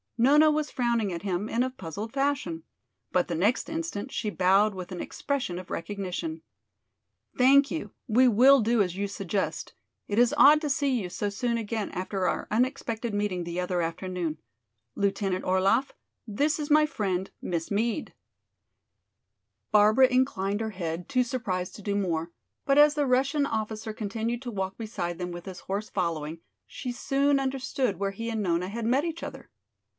Nona was frowning at him in a puzzled fashion. But the next instant she bowed with an expression of recognition. "Thank you, we will do as you suggest. It is odd to see you so soon again after our unexpected meeting the other afternoon. Lieutenant Orlaff, this is my friend, Miss Meade." Barbara inclined her head, too surprised to do more. But as the Russian officer continued to walk beside them with his horse following, she soon understood where he and Nona had met each other.